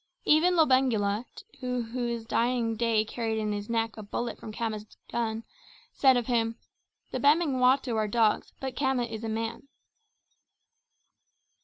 Even Lobengula, who to his dying day carried in his neck a bullet from Khama's gun, said of him, "The Bamangwato are dogs, but Khama is a man."